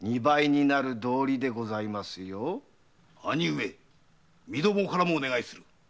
兄上身どもからもお願いする。